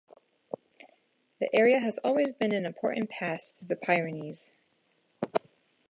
The area has always been an important pass through the Pyrenees.